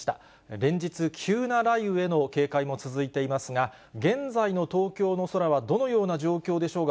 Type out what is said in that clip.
連日、急な雷雨への警戒も続いていますが、現在の東京の空はどのような状況でしょうか。